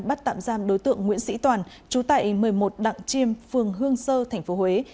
bắt tạm giam đối tượng nguyễn sĩ toàn chú tại một mươi một đặng chiêm phường hương sơ tp huế